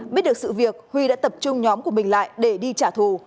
biết được sự việc huy đã tập trung nhóm của mình lại để đi trả thù